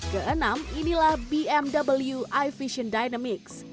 keenam inilah bmw i vision dynamics